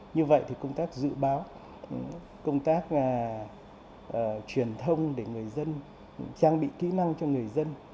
như vậy thì công tác dự báo công tác truyền thông để người dân trang bị kỹ năng cho người dân